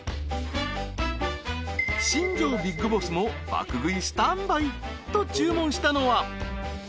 ［新庄ビッグボスも爆食いスタンバイ！と注文したのは？］